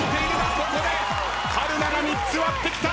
ここで春菜が３つ割ってきた！